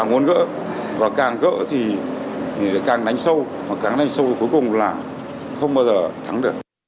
càng muốn gỡ và càng gỡ thì càng đánh sâu mà càng đánh sâu cuối cùng là không bao giờ thắng được